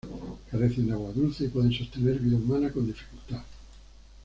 Carecen de agua dulce y pueden sostener vida humana con dificultad.